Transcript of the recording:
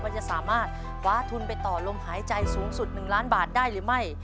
ว่าจะสามารถคว้าทุนไปต่อลมหายใจสูงสุด๑ล้านบาทได้หรือไม่